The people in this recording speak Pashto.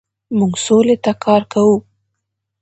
موږ سولې ته کار کوو.